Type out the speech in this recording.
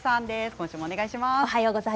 今週も、お願いします。